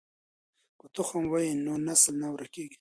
که تخم وي نو نسل نه ورکېږي.